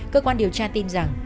cơ quan điều tra tin rằng